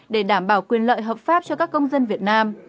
để đảm bảo quyền lợi hợp pháp cho các công dân việt nam